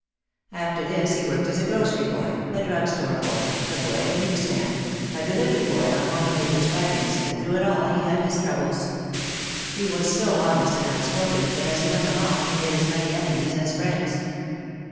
After this he worked as a grocery boy, a drug store boy, a boy at a newsstand, a delivery boy on Wanamak er's wagons and through it all he had his troubles. He was so honest and outspoken that as he went along he made as many enemies as friends.